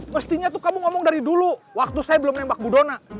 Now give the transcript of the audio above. mestinya tuh kamu ngomong dari dulu waktu saya belum nembak budona